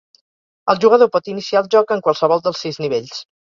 El jugador pot iniciar el joc en qualsevol dels sis nivells.